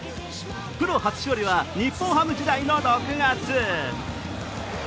プロ初勝利は日本ハム時代の６月。